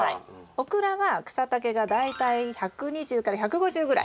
オクラは草丈が大体１２０１５０ぐらい。